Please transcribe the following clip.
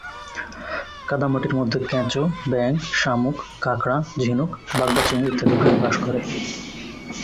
কাদামাটির মধ্যে কেঁচো, ব্যাঙ, শামুক, কাঁকড়া, ঝিনুক, বাগদা চিংড়ি ইত্যাদি প্রাণী বাস করে।